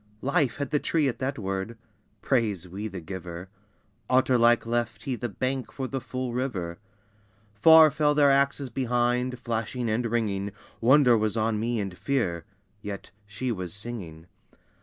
Life had the tree at that word, (Praise we the Giver!) Otter like left he the bank for the full river. Far fell their axes behind, flashing and ringing, Wonder was on me and fear, yet she was singing.